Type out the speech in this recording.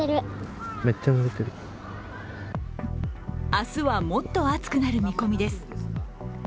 明日はもっと暑くなる見込みです。